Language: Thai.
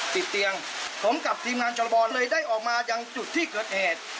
ติดเตียงผมกับทีมงานจรบเลยได้ออกมายังจุดที่เกิดเหตุ